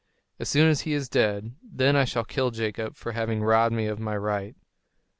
As soon as he is dead, then I shall kill Jacob for having robbed me of my right."